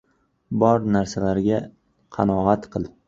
Bor narsalarga qanoat qil.